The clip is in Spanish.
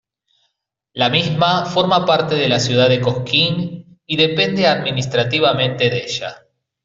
La misma forma parte de la ciudad de Cosquín, y depende administrativamente de ella.